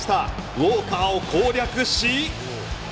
ウォーカーを攻略し。